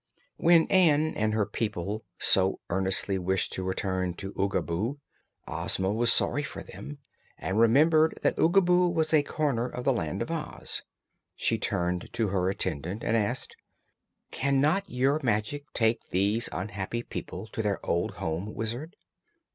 When Ann and her people so earnestly wished to return to Oogaboo, Ozma was sorry for them and remembered that Oogaboo was a corner of the Land of Oz. She turned to her attendant and asked: "Can not your magic take these unhappy people to their old home, Wizard?"